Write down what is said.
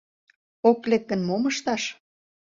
Ок лек гын, мом ышташ?